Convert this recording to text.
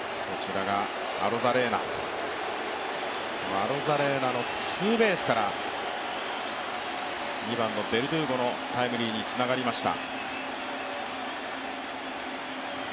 アロザレーナのツーベースから２番のベルドゥーゴのタイムリーにつながりました。